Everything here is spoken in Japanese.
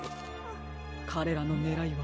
かれらのねらいは。